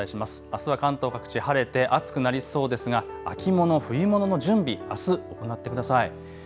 あすは関東各地晴れて暑くなりそうですが秋物、冬物の準備、あす行ってください。